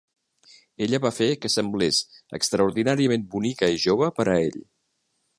Ella va fer que semblés extraordinàriament bonica i jove per a ell.